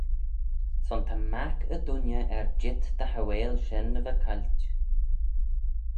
Son ta mac y dooinney er-jeet dy hauail shen ny va cailt.